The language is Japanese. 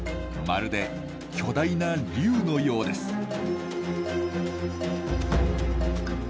まるで巨大な竜のようです。